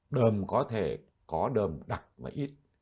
đờm có thể có đờm đặc và ít